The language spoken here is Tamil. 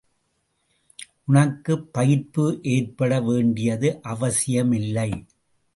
உனக்குப் பயிர்ப்பு ஏற்பட வேண்டியது அவசியமில்லை.